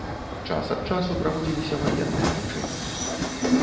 Час ад часу праводзіліся ваенныя вучэнні.